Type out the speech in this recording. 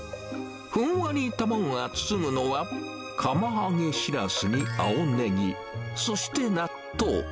ふんわり卵が包むのは、釜揚げシラスに青ネギ、そして納豆。